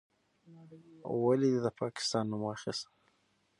ولې دې د پاکستان نوم واخیست؟